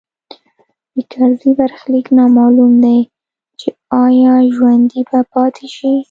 د کرزي برخلیک نامعلوم دی چې ایا ژوندی به پاتې شي